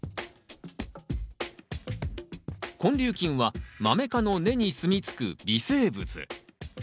根粒菌はマメ科の根にすみつく微生物。